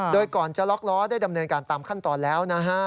โดยก่อนจะล็อกล้อได้ดำเนินการตามขั้นตอนแล้วนะฮะ